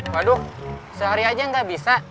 waduh sehari aja nggak bisa